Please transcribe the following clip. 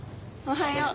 おはよう。